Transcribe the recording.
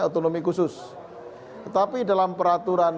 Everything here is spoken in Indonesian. otonomi khusus tetapi dalam peraturan